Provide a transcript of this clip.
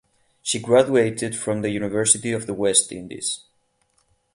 She graduated from the University of the West Indies.